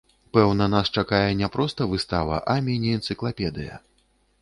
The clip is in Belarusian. Пэўна, нас чакае не проста выстава, а міні-энцыклапедыя.